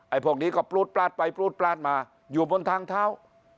พวกนี้ก็ปลูดปลาดไปปลูดปลาดมาอยู่บนทางเท้า